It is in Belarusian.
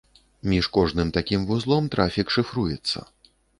Між кожным такім вузлом трафік шыфруецца.